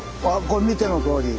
これ見てのとおり。